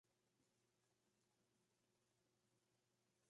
Su trabajo multidisciplinario abarca pintura, instalación y performance.